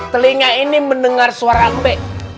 telinga ini mendengar suara ampe